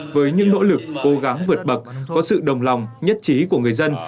với những nỗ lực cố gắng vượt bậc có sự đồng lòng nhất trí của người dân